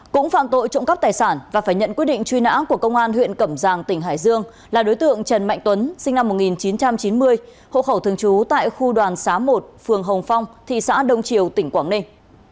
cũng phạm tội trộm cắp tài sản và phải nhận quyết định truy nã của công an huyện cẩm giang tỉnh hải dương là đối tượng trần mạnh tuấn sinh năm một nghìn chín trăm chín mươi hộ khẩu thường trú tại khu đoàn xá một phường hồng phong thị xã đông triều tỉnh quảng ninh